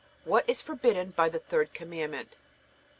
What is forbidden by the third Commandment?